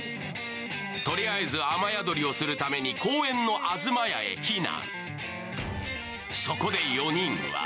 とりあえず雨宿りするために公園の東屋へ避難。